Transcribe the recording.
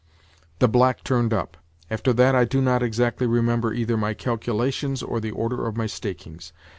The black turned up. After that I do not exactly remember either my calculations or the order of my stakings.